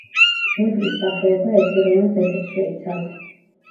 ბევრი სახეობა ეთეროვან ზეთებს შეიცავს.